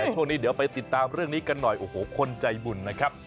ช่วงนี้เดี๋ยวไปติดตามเรื่องนี้กันหน่อยโอ้โหคนใจบุญนะครับ